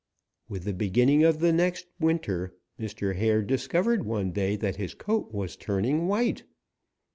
With the beginning of the next winter, Mr. Hare discovered one day that his coat was turning white.